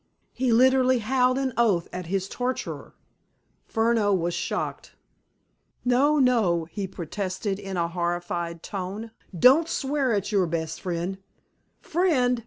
He literally howled an oath at his torturer. Furneaux was shocked. "No, no," he protested in a horrified tone. "Don't swear at your best friend." "Friend!